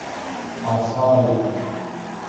آسال